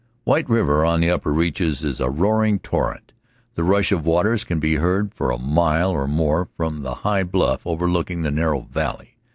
White River on the upper reaches is a roaring torrent; the rush of waters can be heard for a mile or more from the high bluff overlooking the narrow valley.